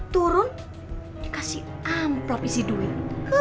turun dikasih amplop isi duit